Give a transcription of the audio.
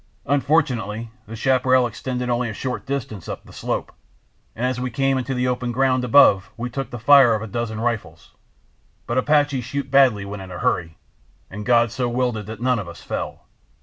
Unfortunately the chaparral extended only a short distance up the slope, and as we came into the open ground above we took the fire of a dozen rifles; but Apaches shoot badly when in a hurry, and God so willed it that none of us fell.